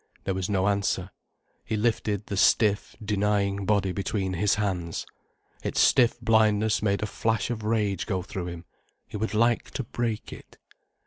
There was no answer. He lifted the stiff, denying body between his hands. Its stiff blindness made a flash of rage go through him. He would like to break it.